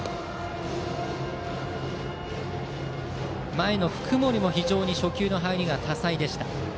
前の福盛も非常に初球の入りが多彩でした。